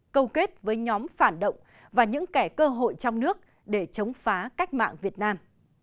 câu kết với nhóm phản động và những kẻ cơ hội trong nước để chống phá cách mạng việt nam